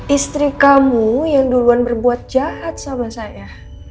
istri kamu yang duluan berbuat jahat sama saya